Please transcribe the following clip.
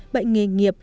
bệnh nghề nghiệp